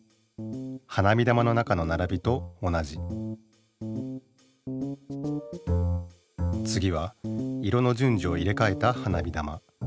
花火玉の中のならびと同じつぎは色の順序を入れかえた花火玉。